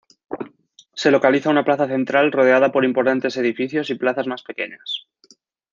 Se localiza una plaza central rodeada por importantes edificios y plazas más pequeñas.